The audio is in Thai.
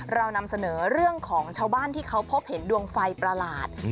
เรานำเสนอเรื่องของชาวบ้านที่เขาพบเห็นดวงไฟประหลาด